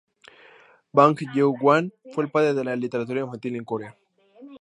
Bang Jeong-hwan fue el padre de la literatura infantil en Corea.